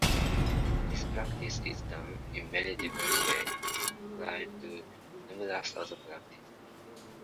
This practice is done in many different ways and applied to numerous other practices.